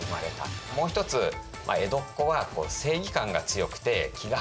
もう一つ江戸っ子は正義感が強くて気が早い。